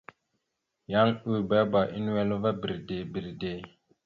Yan ʉbebá a nʉwel ava bredey bredey.